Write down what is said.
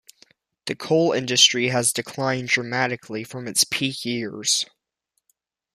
The coal industry has declined dramatically from its peak years.